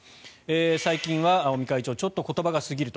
最近は尾身会長はちょっと言葉が過ぎると。